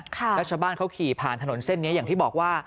แล้วชาวบ้านเขาขี่ผ่านถนนเส้นนี้อย่างที่บอกว่า